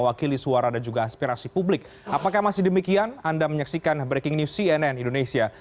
apakah masih demikian anda menyaksikan breaking news cnn indonesia